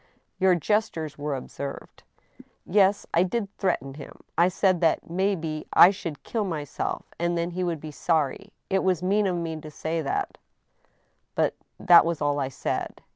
" Your gestures were observed." " Yes, I did threaten him. I said that may be I should kill my self, and then he would be sorry. ... It was mean of me to say that, but that was all I said."